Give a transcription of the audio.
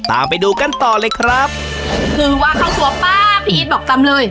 ตามไปดูกันต่อเลยครับคือว่าเข้าตัวป้าพี่อีทบอกตำเลย